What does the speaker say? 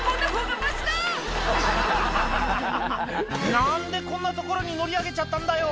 「何でこんな所に乗り上げちゃったんだよ？」